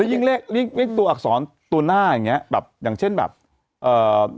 ยิ่งเลขเรียกเลขตัวอักษรตัวหน้าอย่างเงี้ยแบบอย่างเช่นแบบเอ่อ